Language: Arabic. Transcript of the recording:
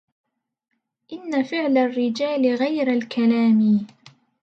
إن فعل الرجال غير الكلام